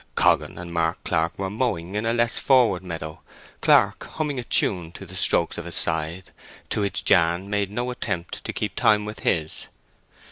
Coggan and Mark Clark were mowing in a less forward meadow, Clark humming a tune to the strokes of his scythe, to which Jan made no attempt to keep time with his.